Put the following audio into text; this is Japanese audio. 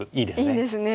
いいですね。